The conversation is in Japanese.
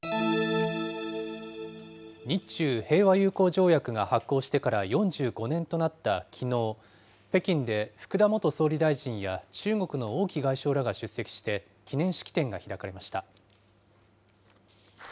日中平和友好条約が発効してから４５年となったきのう、北京で福田元総理大臣や中国の王毅外相らが出席して記念式典が開かれました。